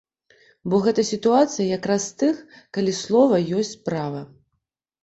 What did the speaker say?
Бо гэта сітуацыя якраз з тых, калі слова ёсць справа.